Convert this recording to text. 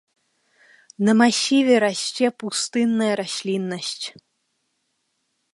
На масіве расце пустынная расліннасць.